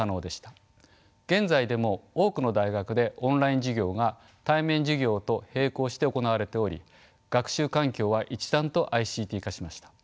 現在でも多くの大学でオンライン授業が対面授業と並行して行われており学習環境は一段とＩＣＴ化しました。